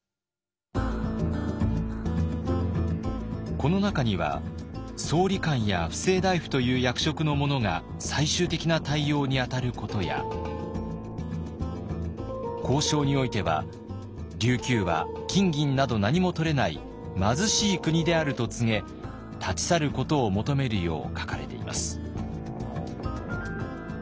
この中には総理官や布政大夫という役職の者が最終的な対応に当たることや交渉においては琉球は金銀などなにもとれない貧しい国であると告げ立ち去ることを求めるよう書かれています。